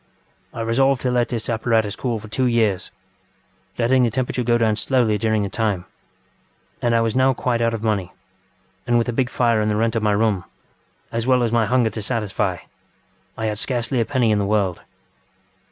I resolved to let this apparatus cool for two years, letting the temperature go down slowly during the time. And I was now quite out of money; and with a big fire and the rent of my room, as well as my hunger to satisfy, I had scarcely a penny in the world.